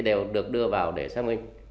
đều được đưa vào xác minh